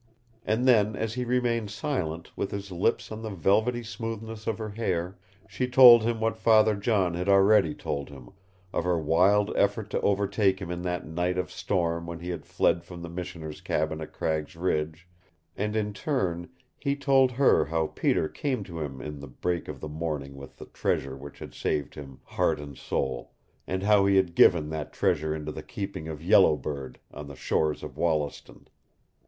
And then, as he remained silent, with his lips on the velvety smoothness of her hair, she told him what Father John had already told him of her wild effort to overtake him in that night of storm when he had fled from the Missioner's cabin at Cragg's Ridge; and in turn he told her how Peter came to him in the break of the morning with the treasure which had saved him heart and soul, and how he had given that treasure into the keeping of Yellow Bird, on the shores of Wollaston.